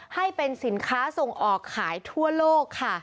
ให้เป็นสินค้าส่งออกขายทั่วโลกค่ะ